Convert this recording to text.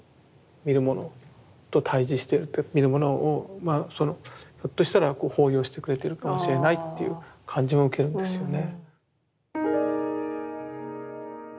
見る者と対峙してるって見る者をそのひょっとしたら抱擁してくれてるかもしれないっていう感じも受けるんですよね。